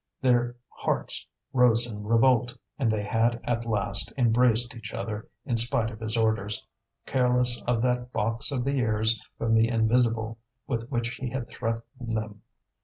Their hearts rose in revolt, and they had at last embraced each other in spite of his orders, careless of that box of the ears from the invisible with which he had threatened them.